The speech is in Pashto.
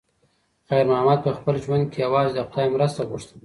خیر محمد په خپل ژوند کې یوازې د خدای مرسته غوښته.